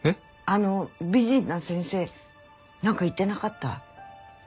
あの美人の先生なんか言ってなかった？